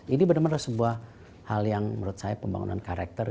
ini benar benar sebuah hal yang menurut saya pembangunan karakter